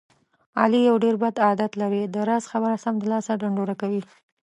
علي یو ډېر بد عادت لري. د راز خبره سمدلاسه ډنډوره کوي.